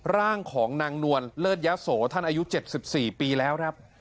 ร่างของนางนวลเลิศยะโสท่านอายุ๗๔ปีแล้วครับ